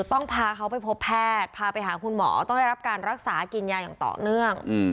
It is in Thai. ต้องพาเขาไปพบแพทย์พาไปหาคุณหมอต้องได้รับการรักษากินยาอย่างต่อเนื่อง